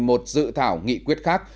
một dự thảo nghị quyết khác